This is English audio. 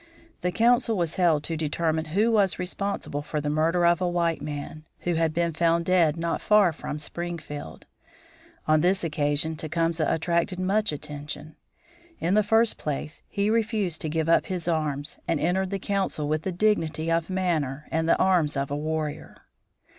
The council was held to determine who was responsible for the murder of a white man, who had been found dead not far from Springfield. On this occasion Tecumseh attracted much attention. In the first place he refused to give up his arms, and entered the council with the dignity of manner and the arms of a warrior.